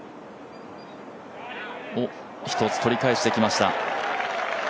１つ取り返してきました。